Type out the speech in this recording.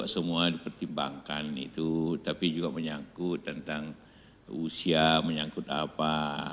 semua dipertimbangkan itu tapi juga menyangkut tentang usia menyangkut apa